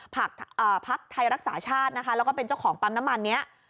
พักไทยรักษาชาตินะคะแล้วก็เป็นเจ้าของปั๊มน้ำมันนี้